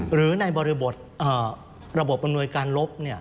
หรือในบริบทระบบอำนวยการลบ